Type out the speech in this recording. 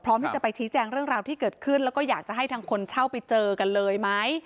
ที่จะไปชี้แจงเรื่องราวที่เกิดขึ้นแล้วก็อยากจะให้ทางคนเช่าไปเจอกันเลยไหม